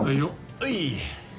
はい！